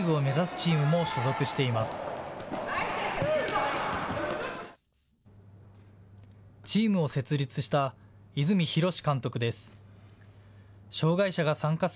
チームを設立した泉洋史監督です。